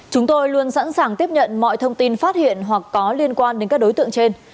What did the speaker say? chúng tôi luôn sẵn sàng tiếp nhận mọi thông tin phát hiện hoặc có liên quan đến các đối tượng trên